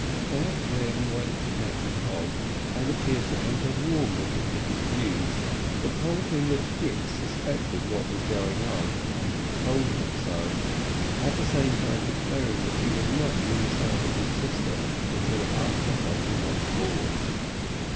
Jack then went to Captain Hogg, and appeared to enter warmly into his views, but told him that Hicks suspected what was going on, and had told him so, at the same time declaring that he would not lose sight of his sister until after Hogg was on board.